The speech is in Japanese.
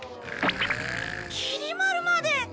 きり丸まで！